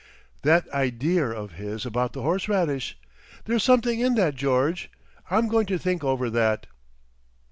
That ideer of his about the horseradish. There's something in that, George. I'm going to think over that...."